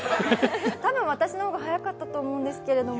多分、私の方が早かったと思うんですけれども。